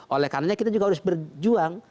oleh karena kita juga harus berjuang